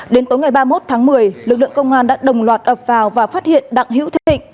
đến tối ngày ba mươi một tháng một mươi lực lượng công an đã đồng loạt ập vào và phát hiện đặng hữu thịnh